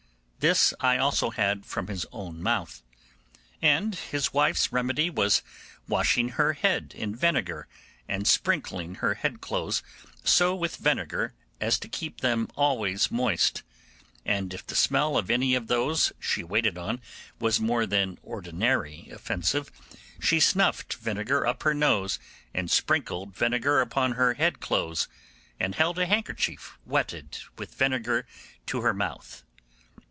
This I also had from his own mouth. And his wife's remedy was washing her head in vinegar and sprinkling her head clothes so with vinegar as to keep them always moist, and if the smell of any of those she waited on was more than ordinary offensive, she snuffed vinegar up her nose and sprinkled vinegar upon her head clothes, and held a handkerchief wetted with vinegar to her mouth.